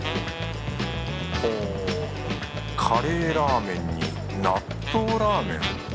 ほぉカレーラーメンに納豆ラーメン？